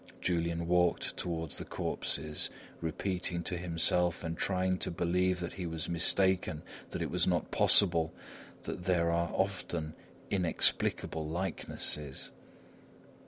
Julian walked toward the corpses, repeating to himself and trying to believe that he was mistaken, that it was not possible, that there are often inexplicable likenesses.